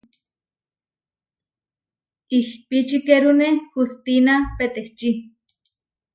Ihpičikerune hustína petečí.